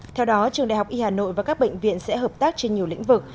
theo đó trường đại học y hà nội và các bệnh viện sẽ hợp tác trên nhiều lĩnh vực